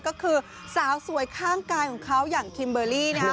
ก็คือสาวสวยข้างกายของเขาอย่างคิมเบอร์รี่นะฮะ